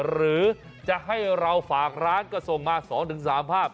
หรือจะให้เราฝากร้านก็ส่งมา๒๓ภาพ